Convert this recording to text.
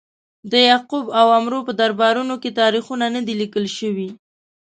د یعقوب او عمرو په دربارونو کې تاریخونه نه دي لیکل شوي.